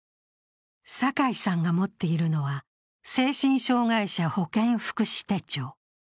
酒井さんが持っているのは精神障害者保健福祉手帳。